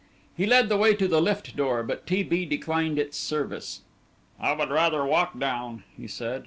He led the way to the lift door, but T. B. declined its service. "I would rather walk down," he said.